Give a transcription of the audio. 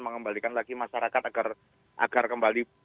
mengembalikan lagi masyarakat agar kembali